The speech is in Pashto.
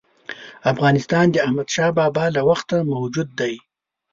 افغانستان د احمدشاه بابا له وخته موجود دی.